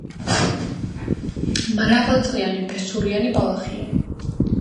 მრავალწლოვანი ფესურიანი ბალახია.